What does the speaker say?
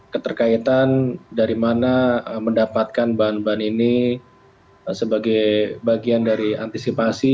keterkaitan dari mana mendapatkan bahan bahan ini sebagai bagian dari antisipasi